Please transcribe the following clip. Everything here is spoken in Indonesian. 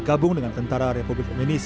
lalu mejanya baik jelas